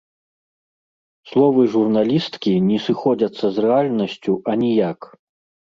Словы журналісткі не сыходзяцца з рэальнасцю аніяк.